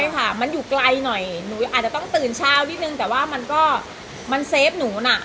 ใช่ค่ะมันอยู่ไกลหน่อยหนูอาจจะต้องตื่นเช้านิดนึงแต่ว่ามันก็มันเซฟหนูน่ะ